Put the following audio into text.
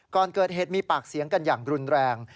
ก่อนเกิดเหตุมีปากเสียงกันอย่างรุนแรง